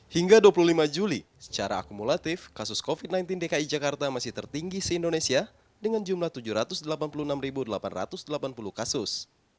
hingga dua puluh lima juli secara akumulatif kasus covid sembilan belas dki jakarta masih tertinggi se indonesia dengan jumlah tujuh ratus delapan puluh enam delapan ratus delapan puluh kasus